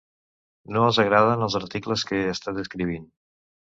No els agraden els articles que he estat escrivint.